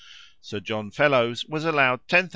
Sir John Fellows was allowed 10,000l.